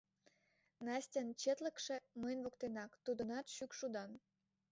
Настян четлыкше мыйын воктенак — тудынат шӱкшудан...